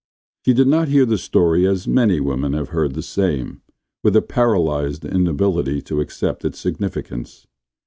She did not hear the story as many women have heard the same, with a paralyzed inability to accept its significance.